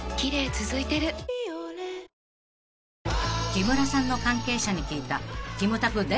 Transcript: ［木村さんの関係者に聞いた］